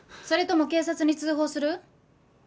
それとも警察に通報する？